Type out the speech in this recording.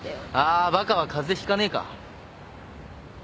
あバカは風邪ひかねえか。